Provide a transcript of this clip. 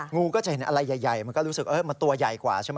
งูก็จะเห็นอะไรใหญ่มันก็รู้สึกมันตัวใหญ่กว่าใช่ไหม